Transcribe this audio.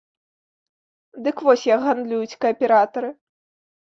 Дык вось як гандлююць кааператары.